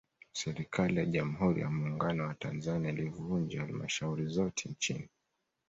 Serikali ya Jamhuri ya Muungano wa Tanzania ilizivunja Halmashauri zote nchini